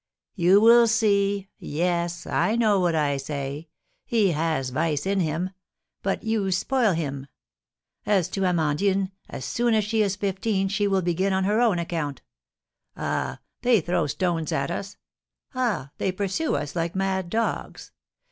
"You will see, yes! I know what I say. He has vice in him; but you spoil him. As to Amandine, as soon as she is fifteen she will begin on her own account! Ah, they throw stones at us! Ah, they pursue us like mad dogs!